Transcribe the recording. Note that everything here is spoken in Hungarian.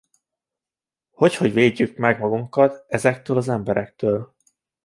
Hogy hogy védjük meg magunkat ezektől az emberektől?